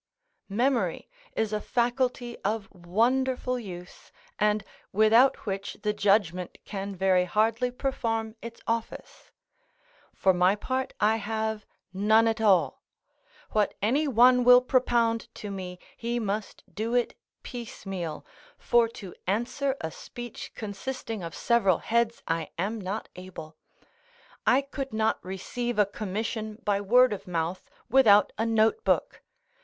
Memory is a faculty of wonderful use, and without which the judgment can very hardly perform its office: for my part I have none at all. What any one will propound to me, he must do it piecemeal, for to answer a speech consisting of several heads I am not able. I could not receive a commission by word of mouth without a note book.